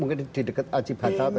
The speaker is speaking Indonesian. mungkin di dekat ajibata atau di mana